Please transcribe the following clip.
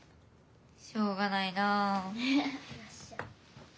しょうがないな。